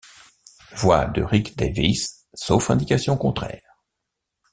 Voix de Rick Davies, sauf indication contraire.